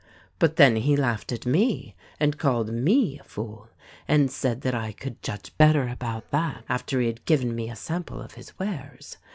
"But then he laughed at me, and called me a fool, and said that I could judge better about that after he had given me a sample of his wares.